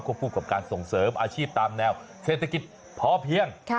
คู่กับการส่งเสริมอาชีพตามแนวเศรษฐกิจพอเพียง